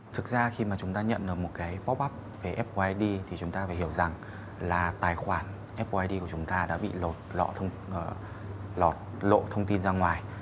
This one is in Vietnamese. thực ra khi mà chúng ta nhận được một cái pop up về apple id thì chúng ta phải hiểu rằng là tài khoản apple id của chúng ta đã bị lộ thông tin ra ngoài